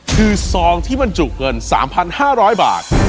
คือซองที่บรรจุเงิน๓๕๐๐บาท